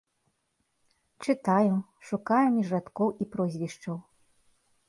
Чытаю, шукаю між радкоў і прозвішчаў.